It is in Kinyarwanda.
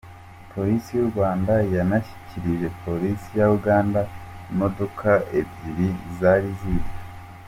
Polisi y’u Rwanda yanashyikirije Polisi ya Uganda imodoka ebyiri zari zibwe.